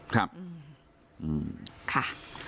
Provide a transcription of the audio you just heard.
ครับอืมค่ะ